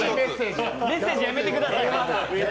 メッセージやめてください。